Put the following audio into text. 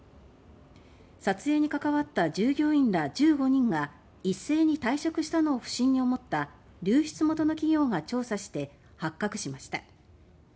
撮影に関わった従業員ら１５人が一斉に退職したのを不審に思った流出元の企業が調査して発覚しました。